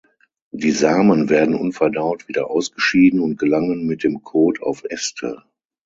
Die Samen werden unverdaut wieder ausgeschieden und gelangen mit dem Kot auf Äste.